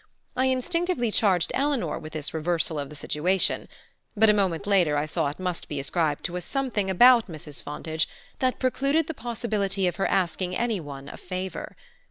I instinctively charged Eleanor with this reversal of the situation; but a moment later I saw it must be ascribed to a something about Mrs. Fontage that precluded the possibility of her asking any one a favor.